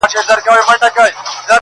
هغه نجلۍ چي هر ساعت به یې پوښتنه کول.